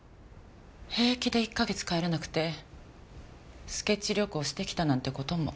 平気で１か月帰らなくてスケッチ旅行してきたなんて事も。